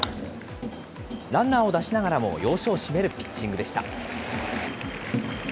ランナーを出しながらも要所を締めるピッチングでした。